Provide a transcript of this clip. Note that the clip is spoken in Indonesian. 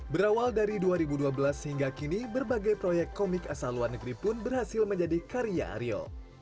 berawal dari dua ribu dua belas hingga kini berbagai proyek komik asal luar negeri pun berhasil menjadi karya aryo